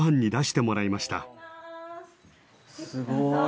すごい！